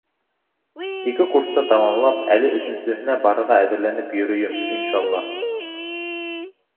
Ике курсты тамамлап, әле өсөнсөһөнә барырға әҙерләнеп йөрөйөм, иншаллаһ.